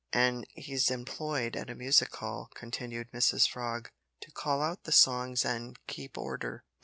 "An' he's employed at a music hall," continued Mrs Frog, "to call out the songs an' keep order.